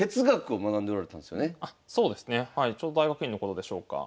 ちょうど大学院の頃でしょうか。